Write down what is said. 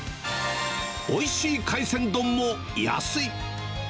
おいしい海鮮丼も安い。